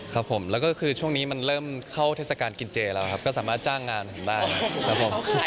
ครับผมแล้วก็คือช่วงนี้มันเริ่มเข้าเทศกาลกินเจแล้วครับก็สามารถจ้างงานผมได้ครับผม